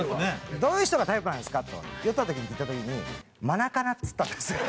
「どういう人がタイプなんですか？」と言った時に「マナカナ」っつったんですよ。